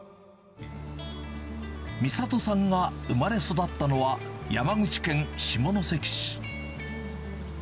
美里さんが生まれ育ったのは山口県下関市。